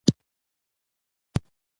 د کرکټ قوانين وخت پر وخت بدليږي.